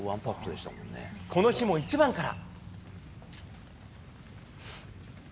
この日も１番から。